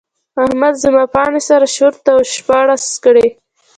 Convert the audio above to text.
احمد زما پاڼې سره شرت او شپاړس کړې.